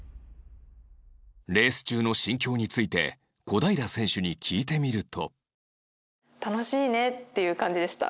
レース中の心境について小平選手に聞いてみると